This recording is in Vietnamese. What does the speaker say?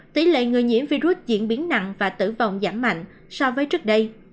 tỷ lệ người nhiễm virus diễn biến nặng và tử vong giảm mạnh so với trước đây